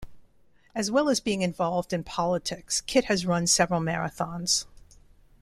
As well as being involved in politics, Kitt has run several marathons.